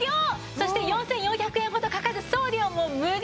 そして４４００円ほどかかる送料も無料！